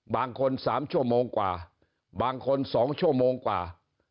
บางคน๓ชั่วโมงกว่าบางคน๒ชั่วโมงกว่า